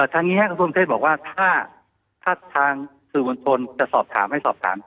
ทางนี้ส่วนการสำเทศบอกว่าถ้าทางสื่อวนทนจะสอบถามให้สอบถาม